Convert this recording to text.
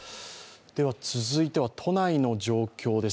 続いては都内の状況です。